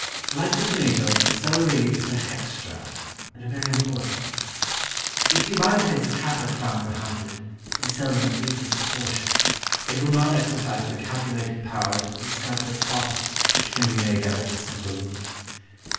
Like the tomato, CELERY is a "hextra" and a very important one. If you buy the heads at half a crown per hundred and sell them at threepence a portion, it will not exercise your calculating powers to discover the profits which can be made out of this simple root.